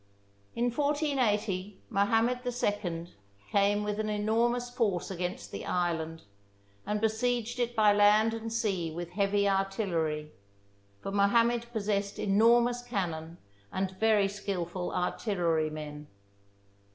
In 1480 Mohammed II came with an enormous force against the island and besieged it by land and sea with heavy artillery, for Mohammed possessed enormous cannon and very skilful artillerymen.